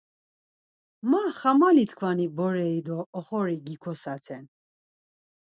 Ma xamali-tkvani bore-i do oxori gikosaten!